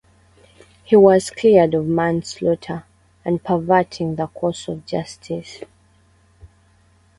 He was cleared of manslaughter and perverting the course of justice.